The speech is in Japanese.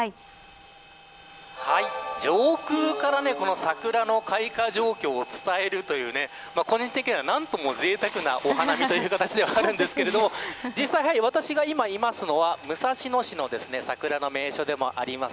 上空から桜の開花状況を伝えるという個人的には何ともぜいたくな花見という形ではあるんですけれども実際、私が今いますのは武蔵野市の桜の名所でもあります